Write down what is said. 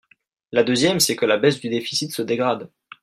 La deuxième, c’est que la baisse du déficit se dégrade.